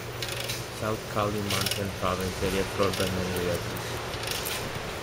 South Kalimantan province area flowed by many rivers.